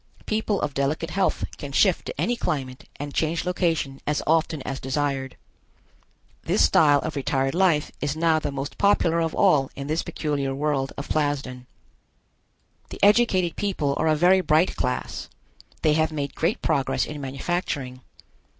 People of delicate health can shift to any climate and change location as often as desired. This style of retired life is now the most popular of all in this peculiar world of Plasden. The educated people are a very bright class; they have made great progress in manufacturing.